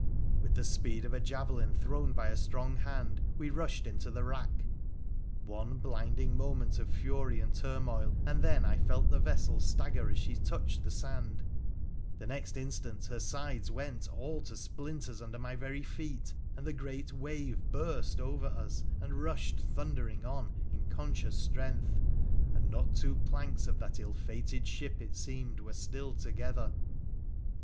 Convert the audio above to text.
With the speed of a javelin thrown by a strong hand, we rushed into the wrack ; one blinding moment of fury and turmoil, and then I felt the vessel stagger as she touched the sand ; the next instant her sides went all to splinters under my very feet, and the great wave burst over us and rushed thundering on in conscious strength, and not two planks of that ill fated ship, it seemed, were still together.